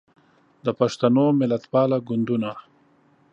د پښتنو ملتپاله ګوندونه